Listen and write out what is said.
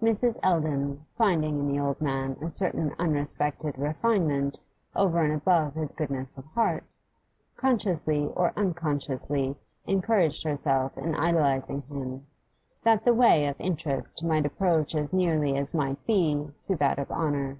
Mrs. Eldon, finding in the old man a certain unexpected refinement over and above his goodness of heart, consciously or unconsciously encouraged herself in idealising him, that the way of interest might approach as nearly as might be to that of honour.